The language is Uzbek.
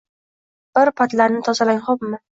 Bi-ir patlarini tozalang, xo`pmi